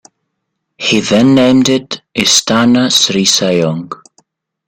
He then named it 'Istana Sri Sayong'.